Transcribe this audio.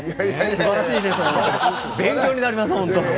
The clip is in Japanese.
すばらしい、勉強になります、ホント。